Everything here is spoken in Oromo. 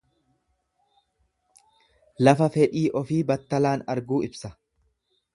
Lafa fedhii ofii battalaan arguu ibsa.